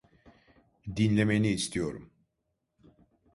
Dinlemeni istiyorum.